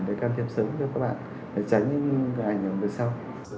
để can thiệp sớm cho các bạn để tránh những ảnh hưởng về sau